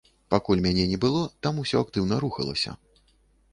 Пакуль мяне не было, там усё актыўна рухалася.